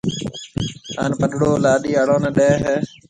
ھان پڏڙو لاڏِي آݪو نيَ ڏيَ ھيََََ